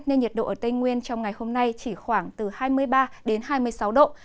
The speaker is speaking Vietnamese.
nên nhiệt độ ở tây nguyên trong ngày hôm nay chỉ khoảng từ hai mươi ba đến hai mươi sáu độ